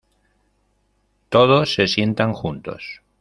Todos se sientan juntos.